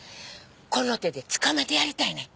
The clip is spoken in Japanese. この手で捕まえてやりたいねん。